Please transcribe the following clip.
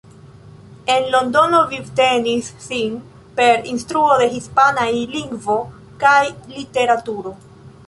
En Londono vivtenis sin per instruo de hispanaj lingvo kaj literaturo.